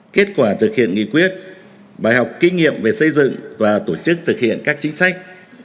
kết quả thực hiện nghị quyết bài học kinh nghiệm về xây dựng và tổ chức thực hiện các chính sách